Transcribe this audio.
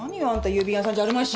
郵便屋さんじゃあるまいし。